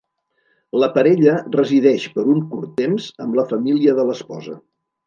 La parella resideix per un curt temps amb la família de l'esposa.